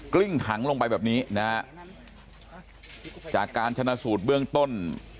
ลิ้งถังลงไปแบบนี้นะฮะจากการชนะสูตรเบื้องต้น